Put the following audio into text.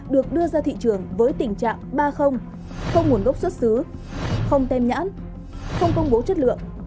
được đưa ra thị trường với tình trạng ba không nguồn gốc xuất xứ không tem nhãn không công bố chất lượng